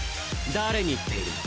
誰に言っている！